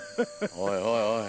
おいおいおい。